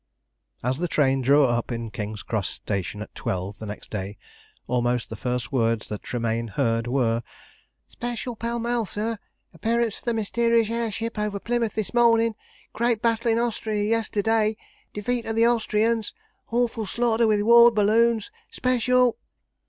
As the train drew up in King's Cross station at twelve the next day, almost the first words that Tremayne heard were "Special Pall Mall, sir! Appearance of the mysterious air ship over Plymouth this morning! Great battle in Austria yesterday, defeat of the Austrians awful slaughter with war balloons! Special!"